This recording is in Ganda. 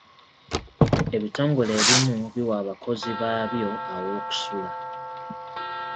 Ebitongole ebimu biwa abakozi baabyo aw'okusula.